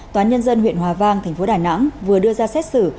tòa nhân dân huyện hòa vang tp đà nẵng vừa đưa ra xét xử